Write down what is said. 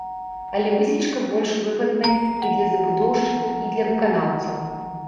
Але высечка больш выгадная і для забудоўшчыкаў, і для выканаўцаў.